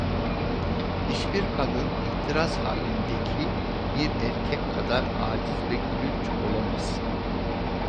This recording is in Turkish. Hiçbir kadın, ihtiras halindeki bir erkek kadar âciz ve gülünç olamaz.